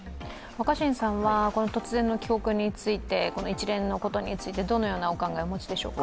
若新さんは突然の帰国について一連のことについて、どのようなお考えをお持ちでしょうか。